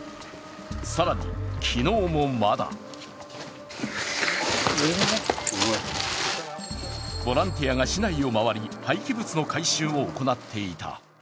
更に、昨日もまだボランティアが市内を回り廃棄物の回収を行っていた。